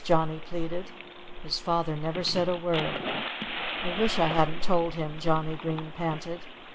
Johnnie pleaded. His father never said a word. "I wish I hadn't told him," Johnnie Green panted.